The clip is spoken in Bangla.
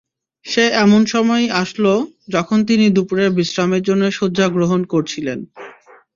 সে এমন সময়ই আসল, যখন তিনি দুপুরের বিশ্রামের জন্যে শয্যা গ্রহণ করেছিলেন।